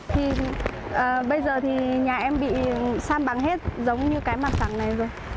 thì bây giờ thì nhà em bị san bằng hết giống như cái mặt sẵn này rồi